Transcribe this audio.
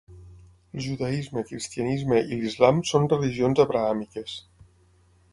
El judaisme, cristianisme i l'islam són religions abrahàmiques.